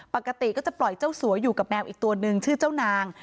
ปกติก็จะปล่อยเจ้าสัวอยู่กับแมวอีกตัวนึงชื่อเจ้านาง